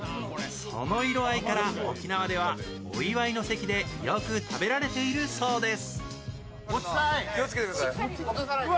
その色合いから沖縄ではお祝いの席でよく食べられているそうです。